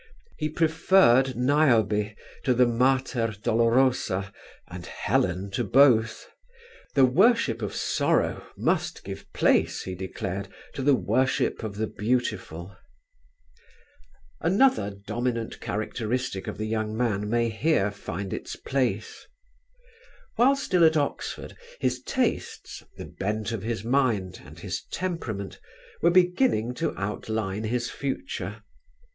He preferred Niobe to the Mater Dolorosa and Helen to both; the worship of sorrow must give place, he declared, to the worship of the beautiful. Another dominant characteristic of the young man may here find its place. While still at Oxford his tastes the bent of his mind, and his temperament were beginning to outline his future.